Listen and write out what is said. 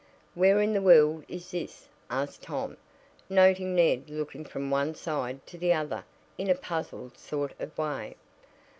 "Where in the world is this?" asked Tom, noting Ned looking from one side to the other in a puzzled sort of way.